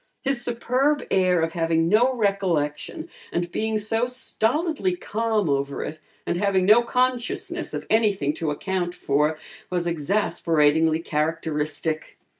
His superb air of having no recollection and being so stolidly calm over it, and having no consciousness of anything to account for, was exasperatingly characteristic.